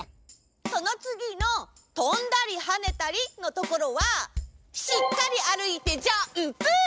そのつぎの「とんだりはねたり」のところはしっかりあるいてジャンプ！